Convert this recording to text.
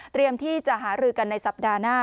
ที่จะหารือกันในสัปดาห์หน้า